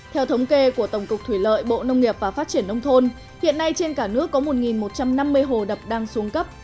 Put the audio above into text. theo thống kê của tổng cục thủy lợi bộ nông nghiệp và phát triển nông thôn hiện nay trên cả nước có một một trăm năm mươi hồ đập đang xuống cấp